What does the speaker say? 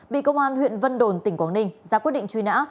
bị công an huyện vân đồn tỉnh quảng ninh ra quyết định truy nã